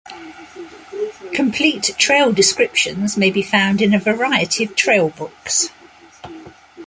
Complete trail descriptions may be found in a variety of trailbooks.